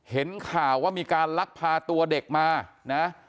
เห็นข่าวว่ามีการลักพาตัวเด็กมานะ